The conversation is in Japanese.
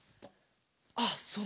あっそうだ。